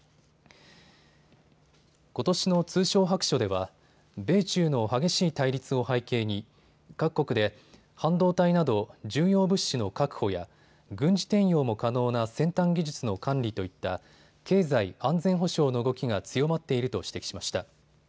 ことしの通商白書では米中の激しい対立を背景に各国で半導体など重要物資の確保や軍事転用も可能な先端技術の管理といった経済安全保障の動きが強まっていると指摘しました。